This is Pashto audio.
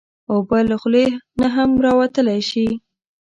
اوبه له خولې نه هم راوتلی شي.